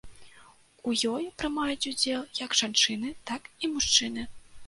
У ёй прымаюць удзел як жанчыны, так і мужчыны.